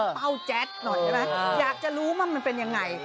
เป้าแจ๊ดหน่อยได้ไหมอยากจะรู้ว่ามันเป็นยังไง